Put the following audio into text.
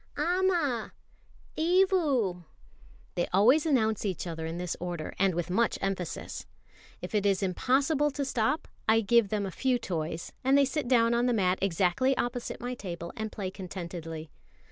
"Amma! Evu!" They always announce each other in this order, and with much emphasis. If it is impossible to stop, I give them a few toys, and they sit down on the mat exactly opposite my table and play contentedly.